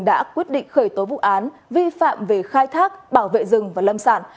đã quyết định khởi tố vụ án vi phạm về khai thác bảo vệ rừng và lâm sản